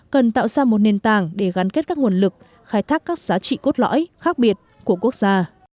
cần tạo ra một nền tảng để gắn kết các nguồn lực khai thác các giá trị cốt lõi khác biệt của quốc gia